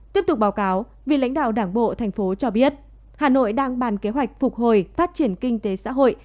tiếp tục báo cáo vì lãnh đạo đảng bộ thành phố cho biết hà nội đang bàn kế hoạch phục hồi phát triển kinh tế xã hội